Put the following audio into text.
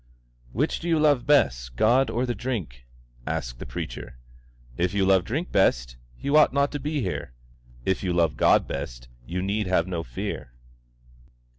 "Which do you love best, God or the drink?" asked the preacher. "If you love the drink best, you ought not to be here; if you love God best, you need have no fear."